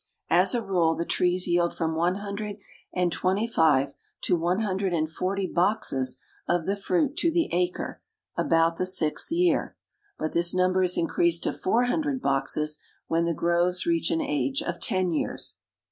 As a rule, the trees yield from one hundred and twenty five to one hundred and forty boxes of the fruit to the acre, about the sixth year, but this number is increased to four hundred boxes when the groves reach an age of ten years.